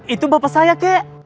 itu bapak saya kek